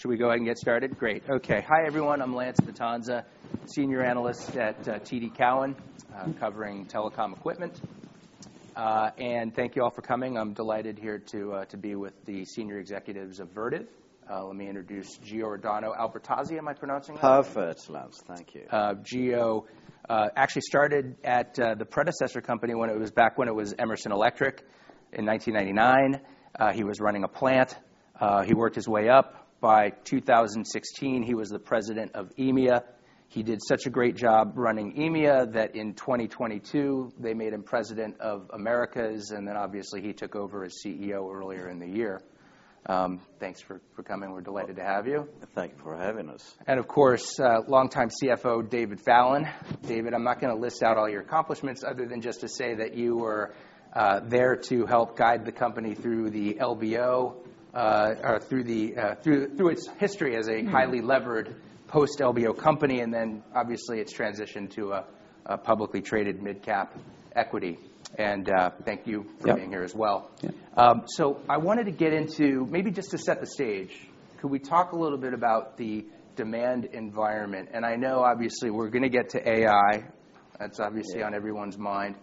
Should we go ahead and get started? Great. Okay. Hi, everyone. I'm Lance Vitanza, senior analyst at TD Cowen, covering telecom equipment. Thank you all for coming. I'm delighted here to be with the senior executives of Vertiv. Let me introduce Giordano Albertazzi. Am I pronouncing that? Perfect, Lance. Thank you. Gio actually started at the predecessor company back when it was Emerson Electric in 1999. He was running a plant. He worked his way up. By 2016, he was the President of EMEA. He did such a great job running EMEA, that in 2022, they made him President of Americas, and then obviously, he took over as CEO earlier in the year. Thanks for coming. We're delighted to have you. Thank you for having us. Of course, longtime CFO, David Fallon. David, I'm not gonna list out all your accomplishments other than just to say that you were there to help guide the company through the LBO, or through the through its history as a highly levered post-LBO company, and then obviously, its transition to a publicly traded midcap equity. Thank you for being here as well. Yeah. I wanted to get into. Maybe just to set the stage, could we talk a little bit about the demand environment? I know obviously we're gonna get to AI. That's obviously on everyone's mind.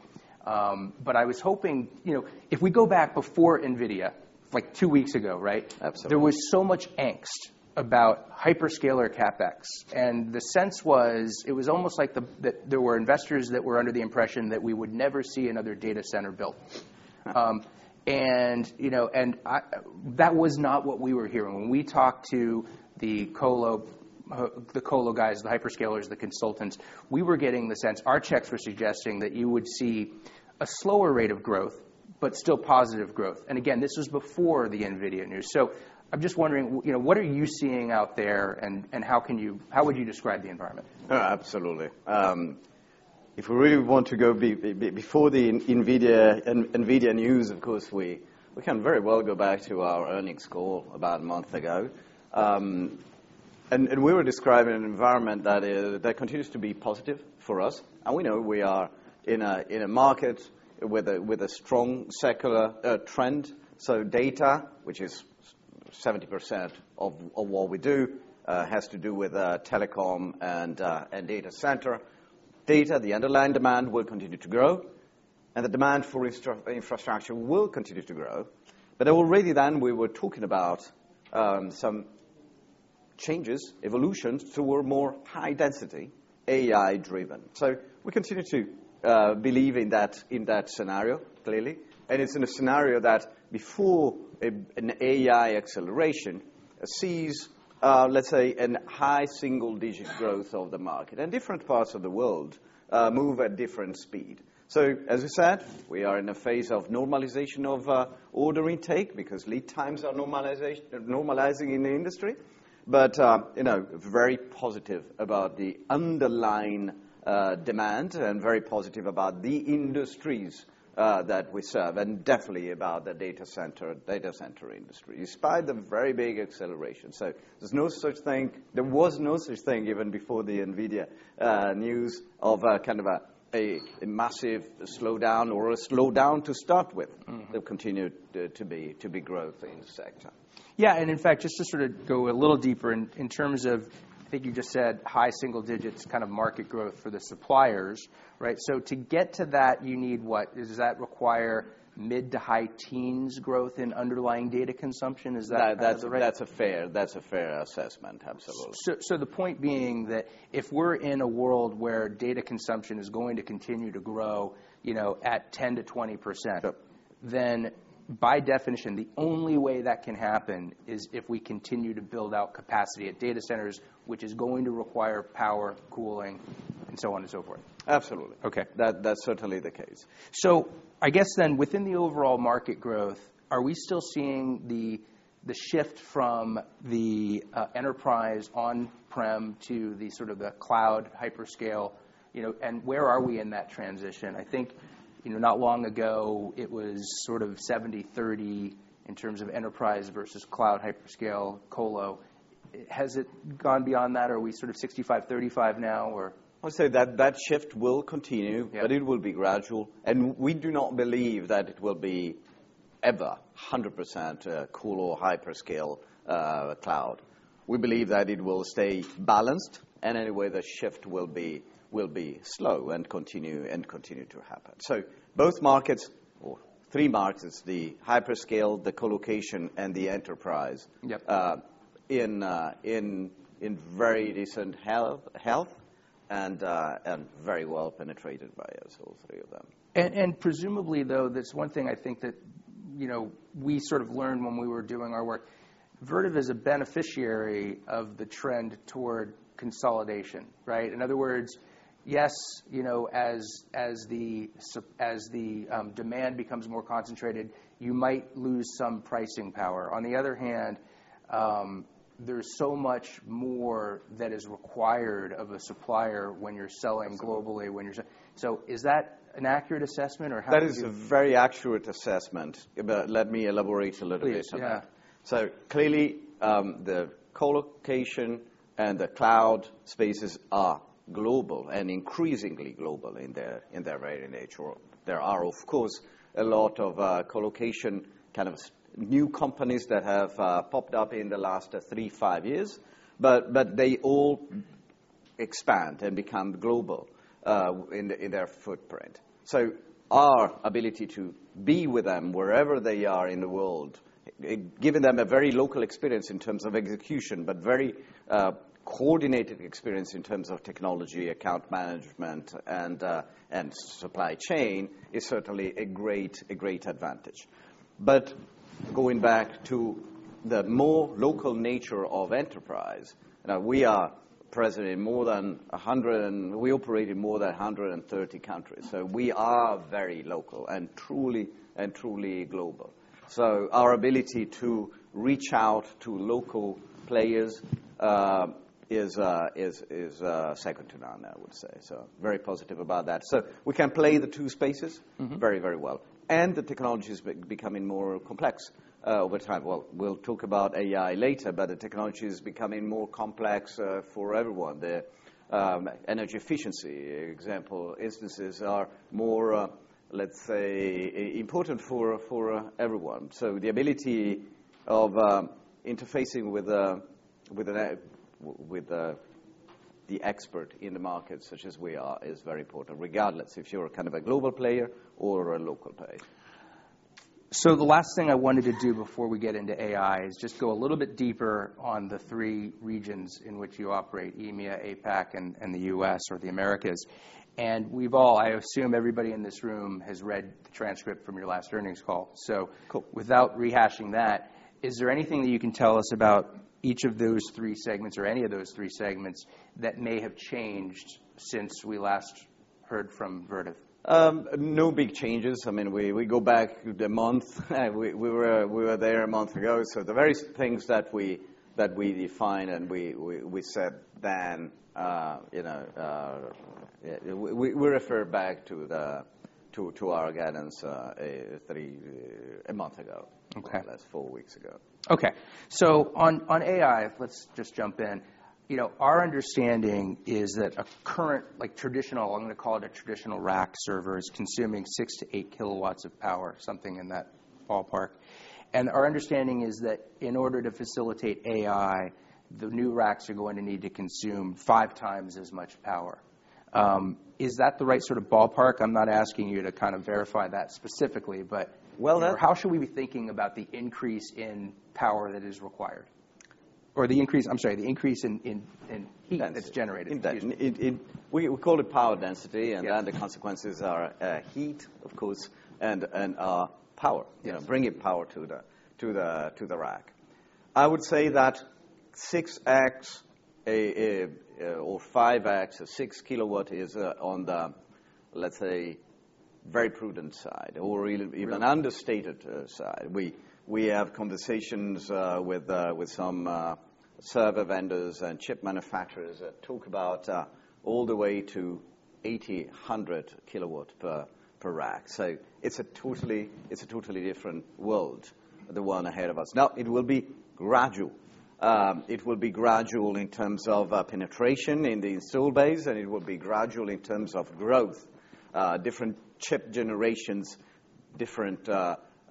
I was hoping, you know, if we go back before NVIDIA, like two weeks ago, right? Absolutely. There was so much angst about hyperscaler CapEx, and the sense was, it was almost that there were investors that were under the impression that we would never see another data center built. You know, that was not what we were hearing. When we talked to the colo, the colo guys, the hyperscalers, the consultants, we were getting the sense, our checks were suggesting that you would see a slower rate of growth, but still positive growth. Again, this was before the NVIDIA news. I'm just wondering, you know, what are you seeing out there, and how would you describe the environment? Absolutely. If we really want to go before the NVIDIA news, of course, we can very well go back to our earnings call about a month ago. We were describing an environment that continues to be positive for us, and we know we are in a market with a strong secular trend. Data, which is 70% of what we do, has to do with telecom and data center. Data, the underlying demand, will continue to grow, and the demand for infrastructure will continue to grow. Already then, we were talking about some changes, evolutions toward more high density, AI-driven. We continue to believe in that, in that scenario, clearly, and it's in a scenario that before an AI acceleration sees, let's say, an high single-digit growth of the market, and different parts of the world move at different speed. As I said, we are in a phase of normalization of order intake because lead times are normalizing in the industry. You know, very positive about the underlying demand and very positive about the industries that we serve, and definitely about the data center industry, despite the very big acceleration. There was no such thing, even before the NVIDIA news, of a kind of a massive slowdown or a slowdown to start with. Mm-hmm. There continued to be growth in the sector. Yeah, in fact, just to sort of go a little deeper in terms of, I think you just said, high single digits kind of market growth for the suppliers, right? To get to that, you need what? Does that require mid to high teens growth in underlying data consumption? That- -right? That's a fair assessment, absolutely. The point being that if we're in a world where data consumption is going to continue to grow, you know, at 10%-20% by definition, the only way that can happen is if we continue to build out capacity at data centers, which is going to require power, cooling, and so on and so forth. Absolutely. Okay. That's certainly the case. I guess within the overall market growth, are we still seeing the shift from the enterprise on-prem to the sort of the cloud hyperscale, you know? Where are we in that transition? I think, you know, not long ago, it was sort of 70/30 in terms of enterprise versus cloud hyperscale, colo. Has it gone beyond that, or are we sort of 65/35 now, or? I'll say that that shift will continue but it will be gradual. We do not believe that it will be ever 100%, colo or hyperscale, cloud. We believe that it will stay balanced. Anyway, the shift will be slow and continue to happen. Both markets, or three markets, the hyperscale, the colocation, and the enterprise in very decent health and very well penetrated by us, all three of them. Presumably, though, there's one thing I think that, you know, we sort of learned when we were doing our work, Vertiv is a beneficiary of the trend toward consolidation, right? In other words, yes, you know, as the demand becomes more concentrated, you might lose some pricing power. On the other hand, there's so much more that is required of a supplier when you're selling- Absolutely... globally, is that an accurate assessment, or how do you- That is a very accurate assessment, but let me elaborate a little bit on that. Please. Yeah. Clearly, the colocation and the cloud spaces are global and increasingly global in their very nature. There are, of course, a lot of colocation, kind of, new companies that have popped up in the last 3 to 5 years, but they all expand and become global in their footprint. Our ability to be with them wherever they are in the world, giving them a very local experience in terms of execution, but very coordinated experience in terms of technology, account management, and supply chain, is certainly a great advantage. Going back to the more local nature of enterprise, now, We operate in more than 130 countries, so we are very local and truly global. Our ability to reach out to local players is second to none, I would say. Very positive about that. We can play the two spaces. Mm-hmm. Very, very well. The technology is becoming more complex over time. We'll talk about AI later, but the technology is becoming more complex for everyone. The energy efficiency example instances are more, let's say, important for everyone. The ability of interfacing with a, with the expert in the market, such as we are, is very important, regardless if you're kind of a global player or a local player. The last thing I wanted to do before we get into AI, is just go a little bit deeper on the three regions in which you operate, EMEA, APAC, and the U.S. or the Americas. I assume everybody in this room has read the transcript from your last earnings call. Cool. -without rehashing that, is there anything that you can tell us about each of those three segments or any of those three segments that may have changed since we last heard from Vertiv? No big changes. I mean, we go back the month, we were there a month ago. The very things that we defined and we said then, you know, we refer back to our guidance a month ago. Okay. That's four weeks ago. Okay. On AI, let's just jump in. You know, our understanding is that a current, like traditional, I'm gonna call it a traditional rack server, is consuming 6 kW to 8 kW of power, something in that ballpark. Our understanding is that in order to facilitate AI, the new racks are going to need to consume 5x as much power. Is that the right sort of ballpark? I'm not asking you to kind of verify that specifically, but. Well. How should we be thinking about the increase in power that is required? I'm sorry, the increase in heat- Yes that's generated? In we call it power density. Yeah. The consequences are, heat, of course, and power. Yeah. You know, bringing power to the rack. I would say that 6x or 5x or 6 kW is on the, let's say, very prudent side. Right -an understated side. We have conversations with some server vendors and chip manufacturers that talk about all the way to 80 kW, 100 kW per rack. It's a totally different world, the one ahead of us. It will be gradual. It will be gradual in terms of penetration in the install base, and it will be gradual in terms of growth. Different chip generations, different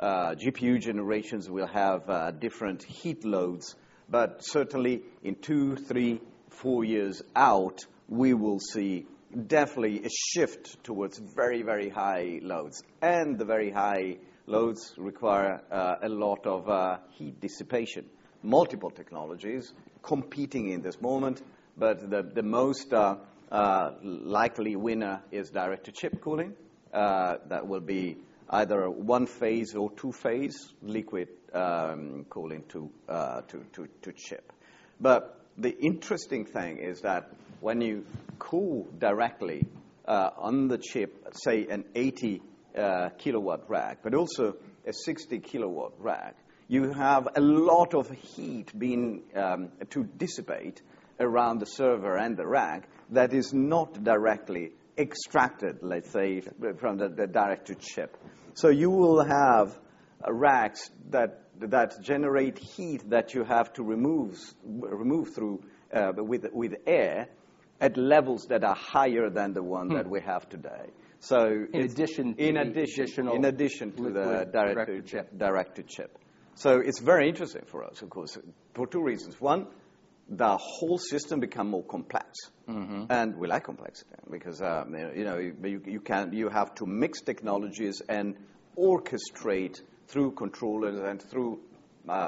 GPU generations will have different heat loads, but certainly in 2, 3, 4 years out, we will see definitely a shift towards very high loads. The very high loads require a lot of heat dissipation. Multiple technologies competing in this moment, the most likely winner is direct-to-chip cooling, that will be either a single-phase or two-phase liquid cooling to chip. The interesting thing is that when you cool directly on the chip, say, an 80 kW rack, but also a 60 kW rack, you have a lot of heat being to dissipate around the server and the rack that is not directly extracted, let's say, from the direct-to-chip. You will have racks that generate heat, that you have to remove through with air, at levels that are higher than the. Hmm that we have today. In addition to- In addition- -traditional- In addition to. With, with direct to chip direct-to-chip. It's very interesting for us, of course, for two reasons: One, the whole system become more complex. Mm-hmm. We like complexity because, you know, you have to mix technologies and orchestrate through controllers and through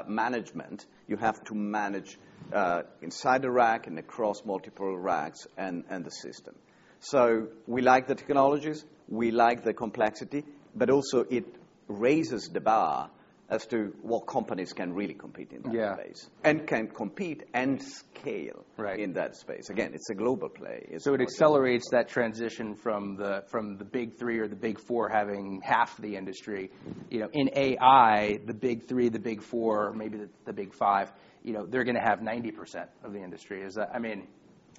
management. You have to manage inside the rack and across multiple racks and the system. We like the technologies, we like the complexity, but also it raises the bar as to what companies can really compete in that space. Yeah. can compete and scale Right In that space. It's a global play, so. It accelerates that transition from the big three or the big four having half the industry. You know, in AI, the big three, the big four, maybe the big five, you know, they're gonna have 90% of the industry. Is that? I mean.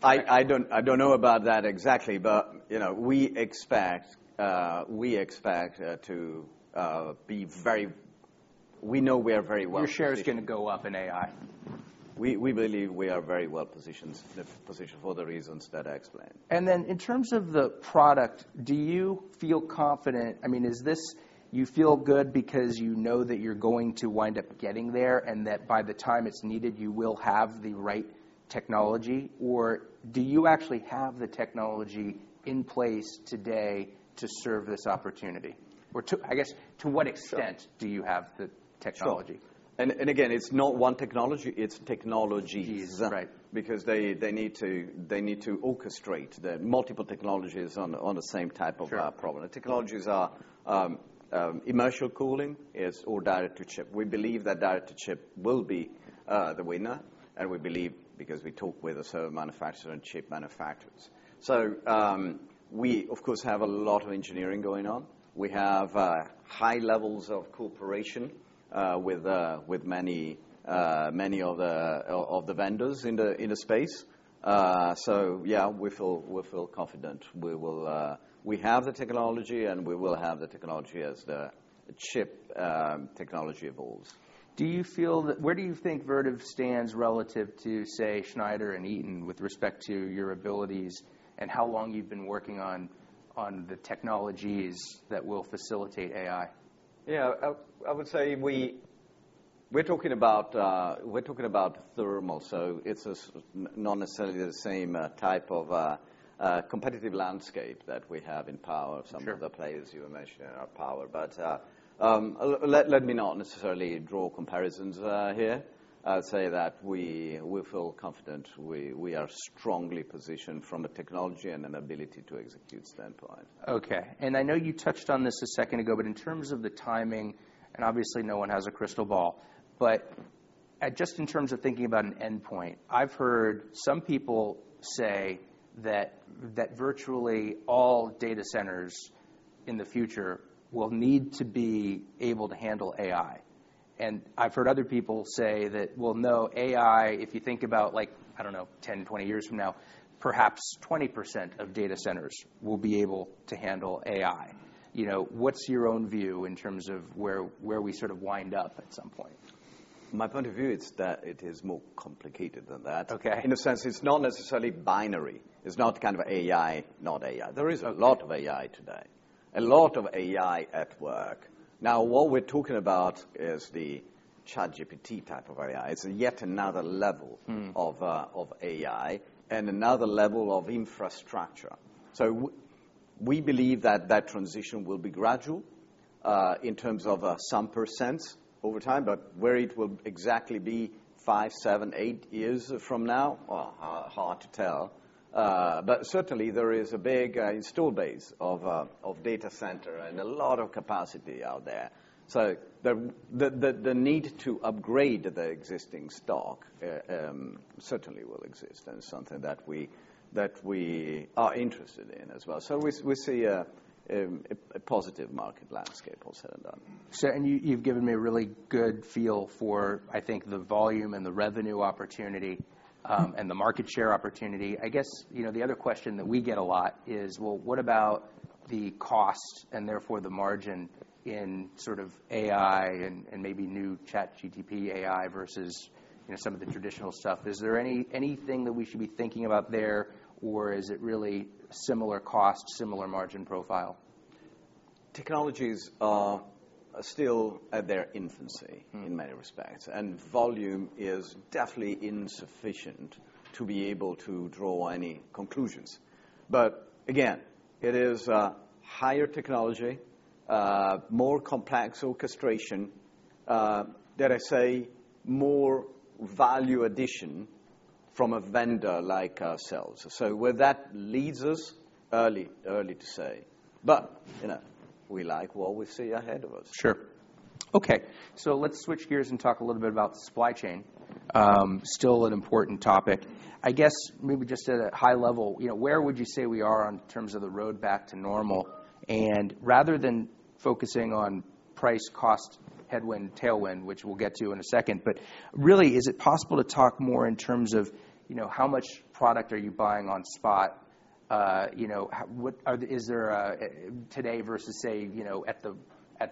I don't know about that exactly, but, you know, we expect to, we know we are very well- Your share is going to go up in AI? We believe we are very well positioned for the reasons that I explained. Then in terms of the product, do you feel confident? I mean, is this, you feel good because you know that you're going to wind up getting there, and that by the time it's needed, you will have the right technology? Or do you actually have the technology in place today to serve this opportunity? Or I guess, to what extent... Sure... do you have the technology? Sure. Again, it's not one technology, it's technologies. Right. They need to orchestrate the multiple technologies on the same type of. Sure ...problem. The technologies are immersion cooling, or direct-to-chip. We believe that direct-to-chip will be the winner, we believe because we talk with the server manufacturer and chip manufacturers. We, of course, have a lot of engineering going on. We have high levels of cooperation with many of the vendors in the space. Yeah, we feel confident. We will... We have the technology, and we will have the technology as the chip technology evolves. Where do you think Vertiv stands relative to, say, Schneider and Eaton, with respect to your abilities and how long you've been working on the technologies that will facilitate AI? Yeah. I would say we're talking about thermal, so it's not necessarily the same type of competitive landscape that we have in power. Sure. Some of the players you mentioned are power. Let me not necessarily draw comparisons, here. I'd say that we feel confident. We are strongly positioned from a technology and an ability to execute standpoint. Okay. I know you touched on this a second ago, but in terms of the timing, and obviously no one has a crystal ball, but, just in terms of thinking about an endpoint, I've heard some people say that virtually all data centers in the future will need to be able to handle AI. I've heard other people say that, "Well, no, AI, if you think about like, I don't know, 10, 20 years from now, perhaps 20% of data centers will be able to handle AI." You know, what's your own view in terms of where we sort of wind up at some point? My point of view is that it is more complicated than that. Okay. In a sense, it's not necessarily binary. It's not kind of AI, not AI. There is a lot of AI today, a lot of AI at work. What we're talking about is the ChatGPT type of AI. It's yet another level... Mm... of AI and another level of infrastructure. We believe that that transition will be gradual, in terms of some percents over time, but where it will exactly be 5, 7, 8 years from now, hard to tell. Certainly, there is a big install base of data center and a lot of capacity out there. The need to upgrade the existing stock certainly will exist, and it's something that we are interested in as well. We see a positive market landscape, all said and done. And you've given me a really good feel for, I think, the volume and the revenue opportunity, and the market share opportunity. I guess, you know, the other question that we get a lot is, well, what about the costs and therefore the margin in sort of AI and maybe new ChatGPT AI versus, you know, some of the traditional stuff? Is there anything that we should be thinking about there, or is it really similar cost, similar margin profile? Technologies are still at their infancy. Mm... in many respects. Volume is definitely insufficient to be able to draw any conclusions. Again, it is higher technology, more complex orchestration, dare I say, more value addition from a vendor like ourselves. Where that leads us, early to say. You know, we like what we see ahead of us. Sure. Okay, let's switch gears and talk a little bit about supply chain. Still an important topic. I guess, maybe just at a high level, you know, where would you say we are in terms of the road back to normal? Rather than focusing on price, cost, headwind, tailwind, which we'll get to in a second, but really, is it possible to talk more in terms of, you know, how much product are you buying on spot? You know, is there a, today versus say, you know, at the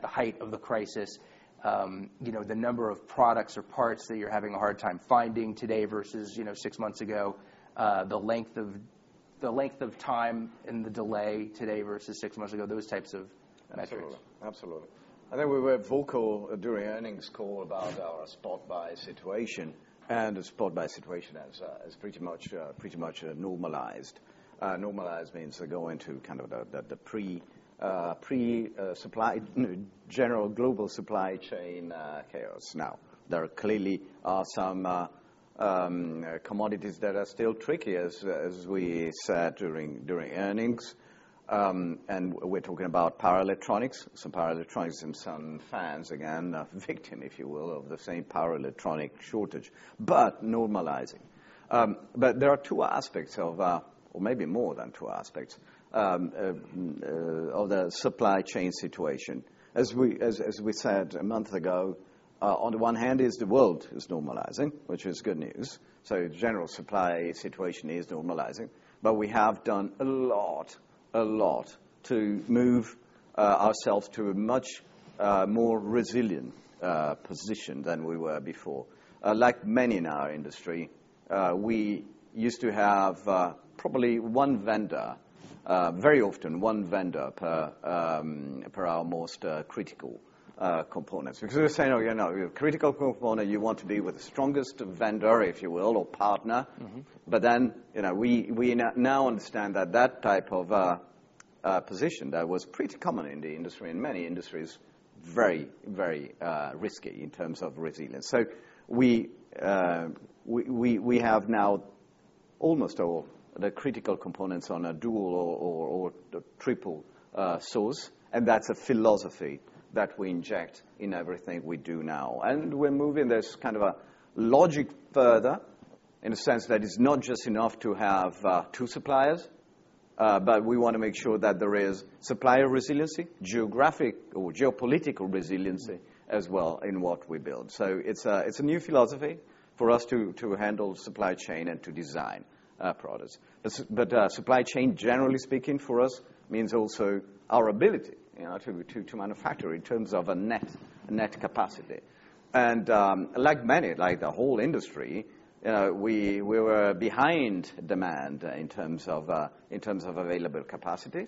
height of the crisis, you know, the number of products or parts that you're having a hard time finding today versus, you know, 6 months ago, the length of time and the delay today versus 6 months ago, those types of metrics? Absolutely. I think we were vocal during earnings call about our spot-buy situation, and the spot-buy situation is pretty much normalized. Normalized means we're going to kind of the pre supply, general global supply chain chaos. Now, there clearly are some commodities that are still tricky, as we said during earnings. We're talking about power electronics, some power electronics and some fans, again, a victim, if you will, of the same power electronic shortage, but normalizing. There are two aspects of or maybe more than two aspects of the supply chain situation. As we said a month ago, on the one hand, is the world is normalizing, which is good news. General supply situation is normalizing. We have done a lot to move ourselves to a much more resilient position than we were before. Like many in our industry, we used to have probably one vendor, very often one vendor per our most critical components. We were saying, you know, critical component, you want to be with the strongest vendor, if you will, or partner. Mm-hmm. You know, we now understand that that type of position that was very risky in terms of resilience. We have now almost all the critical components on a dual or triple source, and that's a philosophy that we inject in everything we do now. We're moving this kind of a logic further in a sense that it's not just enough to have two suppliers, but we wanna make sure that there is supplier resiliency, geographic or geopolitical resiliency as well in what we build. It's a new philosophy for us to handle supply chain and to design products. Supply chain, generally speaking, for us, means also our ability, you know, to manufacture in terms of a net capacity. Like many, like the whole industry, you know, we were behind demand in terms of available capacity.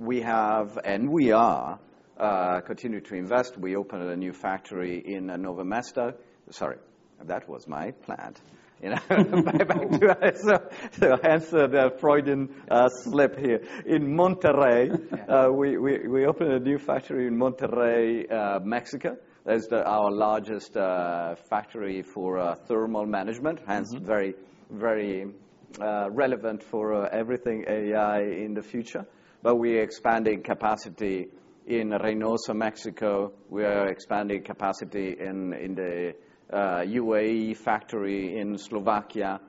We have and we are continuing to invest. We opened a new factory in Nové Mesto... Sorry, that was my plant, you know. Hence the Freudian slip here. In Monterrey, we opened a new factory in Monterrey, Mexico. That's our largest factory for thermal management- Mm-hmm. hence very relevant for everything AI in the future. We expanding capacity in Reynosa, Mexico. We are expanding capacity in the UAE factory in Slovakia.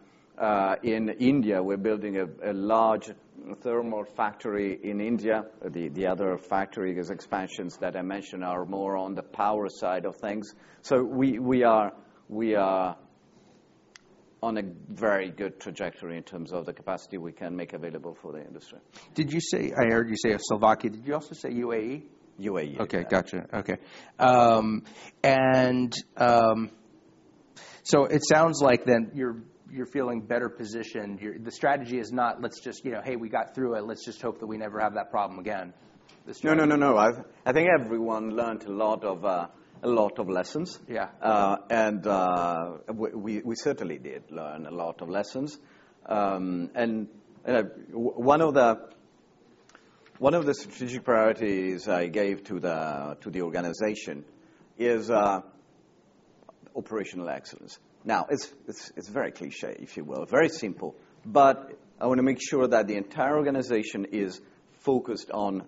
In India, we're building a large thermal factory in India. The other factory expansions that I mentioned are more on the power side of things. We are on a very good trajectory in terms of the capacity we can make available for the industry. Did you say, I heard you say Slovakia? Did you also say UAE? UAE. Okay, gotcha. Okay. It sounds like then you're feeling better positioned. The strategy is not let's just, you know, "Hey, we got through it. Let's just hope that we never have that problem again," this time. No, no, no. I think everyone learned a lot of, a lot of lessons. Yeah. We certainly did learn a lot of lessons. One of the strategic priorities I gave to the organization is operational excellence. It's very cliché, if you will, very simple, but I wanna make sure that the entire organization is focused on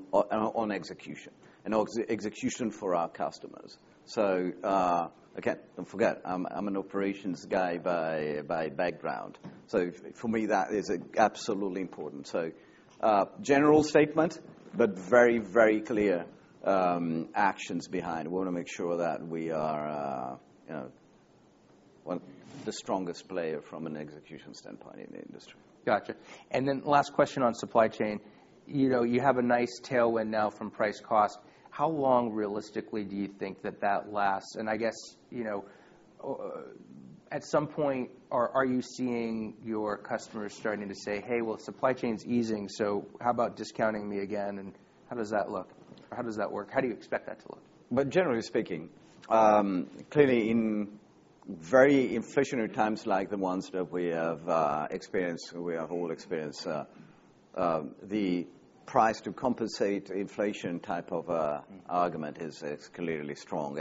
execution, and execution for our customers. Again, don't forget, I'm an operations guy by background. For me, that is absolutely important. General statement, but very, very clear actions behind. We wanna make sure that we are, you know, the strongest player from an execution standpoint in the industry. Gotcha. Last question on supply chain. You know, you have a nice tailwind now from price cost. How long, realistically, do you think that that lasts? I guess, you know, at some point, are you seeing your customers starting to say, "Hey, well, supply chain is easing, so how about discounting me again?" How does that look? How does that work? How do you expect that to look? Generally speaking, clearly in very inflationary times like the ones that we have experienced, we have all experienced, the price to compensate inflation type of argument is clearly strong.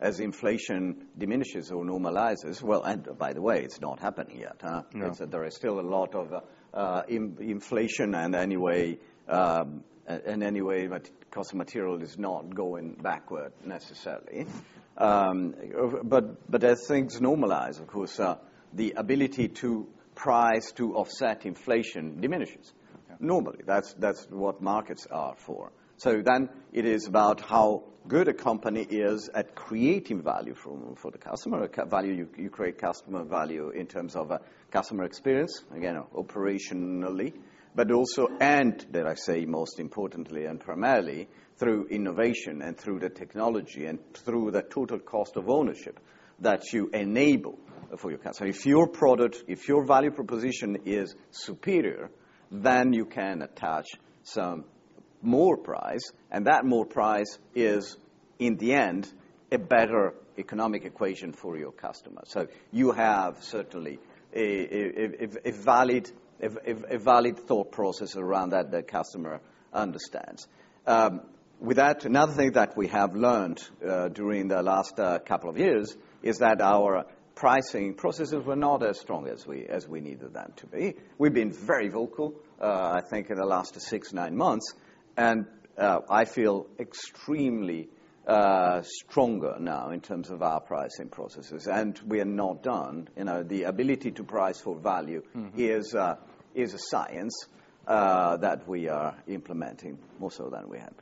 As inflation diminishes or normalizes, well, and by the way, it's not happened yet. No. There is still a lot of inflation, and anyway, in any way, but cost of material is not going backward necessarily. As things normalize, of course, the ability to price to offset inflation diminishes. Okay. Normally, that's what markets are for. It is about how good a company is at creating value for the customer. Value, you create customer value in terms of customer experience, again, operationally, but also, and dare I say, most importantly and primarily, through innovation and through the technology and through the total cost of ownership that you enable for your customer. If your product, if your value proposition is superior, then you can attach some more price, and that more price is, in the end, a better economic equation for your customer. You have certainly a valid thought process around that the customer understands. With that, another thing that we have learned during the last couple of years, is that our pricing processes were not as strong as we needed them to be. We've been very vocal, I think, in the last 6, 9 months, and I feel extremely stronger now in terms of our pricing processes, and we are not done. You know, the ability to price for value- Mm-hmm. is a science that we are implementing more so than we had.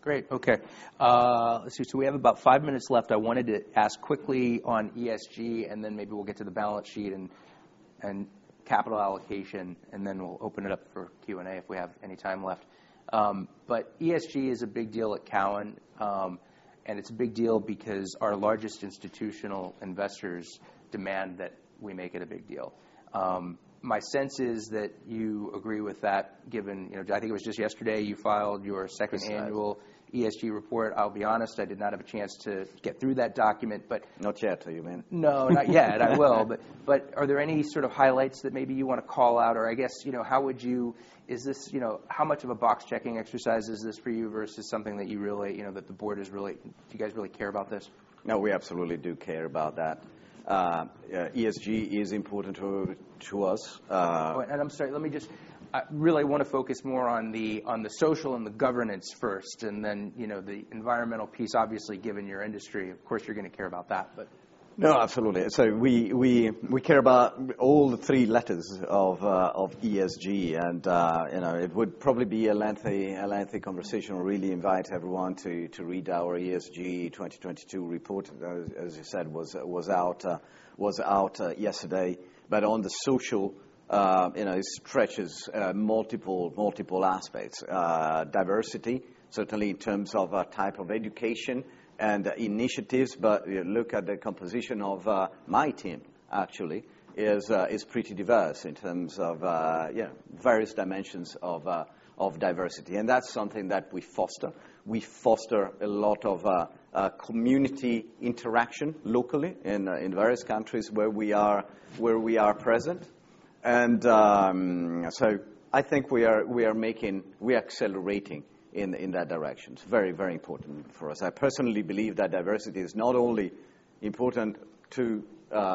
Great. Okay. let's see, we have about 5 minutes left. I wanted to ask quickly on ESG, then maybe we'll get to the balance sheet and capital allocation, then we'll open it up for Q&A if we have any time left. ESG is a big deal at Cowen, and it's a big deal because our largest institutional investors demand that we make it a big deal. My sense is that you agree with that, given, you know, I think it was just yesterday, you filed your second-. Yes annual ESG report. I'll be honest, I did not have a chance to get through that document, but. No chat to you, man. No, not yet. I will. Are there any sort of highlights that maybe you wanna call out? Is this, you know, how much of a box-checking exercise is this for you versus something that you really, you know? Do you guys really care about this? No, we absolutely do care about that. Yeah, ESG is important to us. I'm sorry, let me just, I really wanna focus more on the social and the governance first, and then, you know, the environmental piece. Obviously, given your industry, of course, you're gonna care about that, but. Absolutely. We care about all the three letters of ESG, and you know, it would probably be a lengthy conversation. Really invite everyone to read our ESG 2022 report, that, as you said, was out yesterday. On the social, you know, it stretches multiple aspects. Diversity, certainly in terms of type of education and initiatives, but you look at the composition of my team, actually, is pretty diverse in terms of various dimensions of diversity, and that's something that we foster. We foster a lot of community interaction locally in various countries where we are present. I think we are accelerating in that direction. It's very, very important for us. I personally believe that diversity is not only important to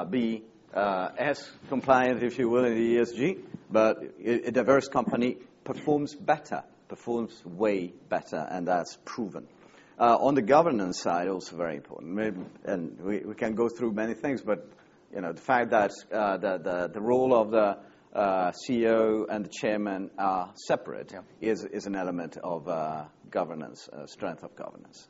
be as compliant, if you will, in ESG, but a diverse company performs better, performs way better, and that's proven. On the governance side, also very important. Maybe... We can go through many things, but, you know, the fact that the role of the CEO and the chairman are separate... Yeah Is an element of governance, strength of governance.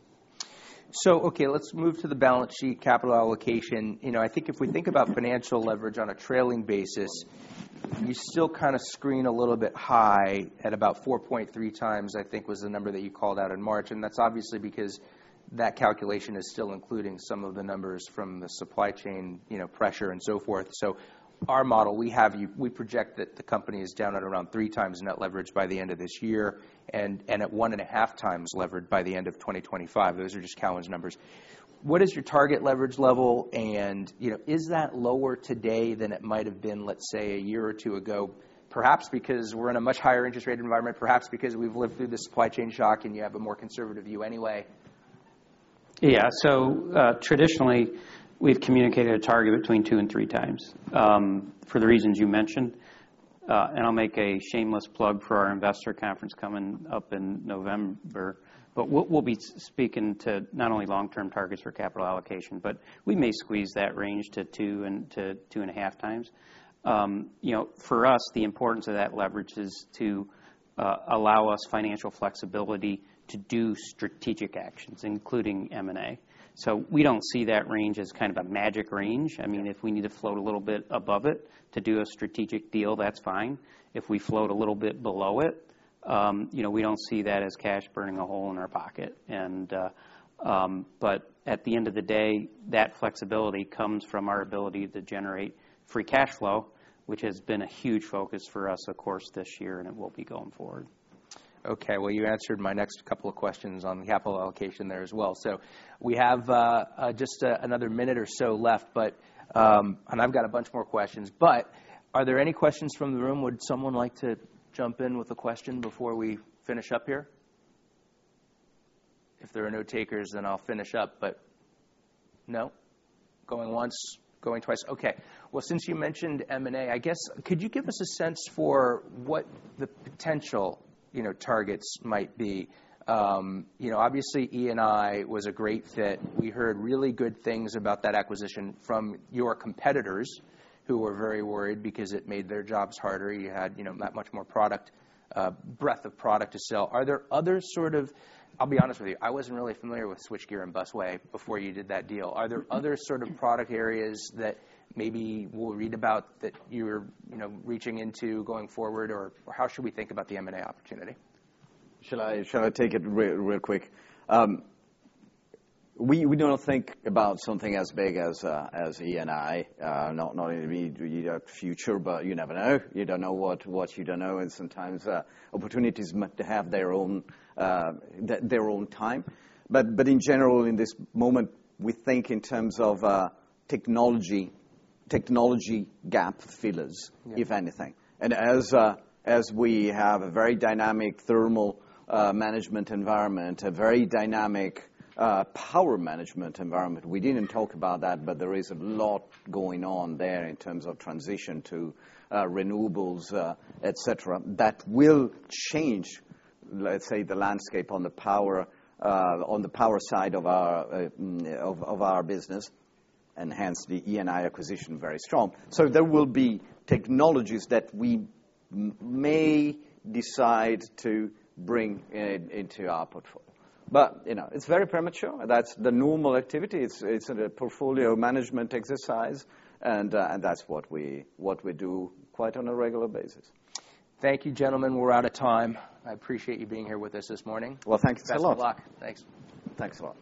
Okay, let's move to the balance sheet, capital allocation. You know, I think if we think about financial leverage on a trailing basis, you still kinda screen a little bit high at about 4.3x, I think was the number that you called out in March, and that's obviously because that calculation is still including some of the numbers from the supply chain, you know, pressure and so forth. Our model, we project that the company is down at around 3x net leverage by the end of this year and at 1.5x levered by the end of 2025. Those are just TD Cowen's numbers. What is your target leverage level? You know, is that lower today than it might have been, let's say, a year or two ago? Perhaps because we're in a much higher interest rate environment, perhaps because we've lived through the supply chain shock. You have a more conservative view anyway. Yeah, so traditionally, we've communicated a target between 2x and 3x for the reasons you mentioned. I'll make a shameless plug for our investor conference coming up in November. We'll be speaking to not only long-term targets for capital allocation, but we may squeeze that range to 2x and 2.5x. You know, for us, the importance of that leverage is to allow us financial flexibility to do strategic actions, including M&A. We don't see that range as kind of a magic range. Yeah. I mean, if we need to float a little bit above it to do a strategic deal, that's fine. If we float a little bit below it, you know, we don't see that as cash burning a hole in our pocket. At the end of the day, that flexibility comes from our ability to generate free cash flow, which has been a huge focus for us, of course, this year, and it will be going forward. Well, you answered my next couple of questions on the capital allocation there as well. We have just another minute or so left, but I've got a bunch more questions, but are there any questions from the room? Would someone like to jump in with a question before we finish up here? If there are no takers, I'll finish up, but No? Going once, going twice. Okay. Well, since you mentioned M&A, I guess, could you give us a sense for what the potential, you know, targets might be? You know, obviously, E&I was a great fit. We heard really good things about that acquisition from your competitors, who were very worried because it made their jobs harder. You had, you know, that much more product, breadth of product to sell. Are there other sort of... I'll be honest with you, I wasn't really familiar with Switchgear and Busway before you did that deal. Are there other sort of product areas that maybe we'll read about that you're, you know, reaching into going forward, or how should we think about the M&A opportunity? Shall I take it real quick? We do not think about something as big as ENI, not in the future, but you never know. You don't know what you don't know, and sometimes opportunities might have their own, their own time. In general, in this moment, we think in terms of technology gap fillers. Yeah if anything. As, as we have a very dynamic thermal management environment, a very dynamic power management environment, we didn't talk about that, but there is a lot going on there in terms of transition to renewables, et cetera, that will change, let's say, the landscape on the power side of our business, and hence, the E&I acquisition, very strong. There will be technologies that we may decide to bring into our portfolio. You know, it's very premature. That's the normal activity. It's a portfolio management exercise, and that's what we do quite on a regular basis. Thank you, gentlemen. We're out of time. I appreciate you being here with us this morning. Well, thank you so lot. Best of luck. Thanks. Thanks a lot.